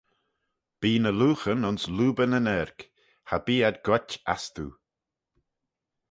Bee ny looghyn ayns loobyn yn arg: cha bee ad goit assdoo.